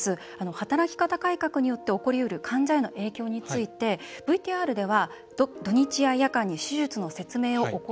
働き方改革によって起こりうる患者への影響についてＶＴＲでは土日や夜間に手術の説明を行わないこと。